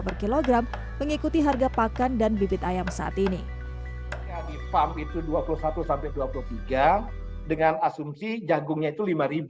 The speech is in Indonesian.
per kilogram mengikuti harga pakan dan bibit ayam saat ini farm itu dua puluh satu dua puluh tiga dengan asumsi jagungnya itu